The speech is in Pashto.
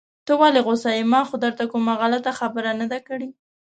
ته ولې غوسه يې؟ ما خو درته کومه غلطه خبره نده کړي.